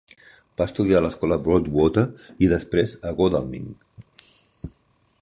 Va estudiar a l'escola Broadwater i, després, a Godalming.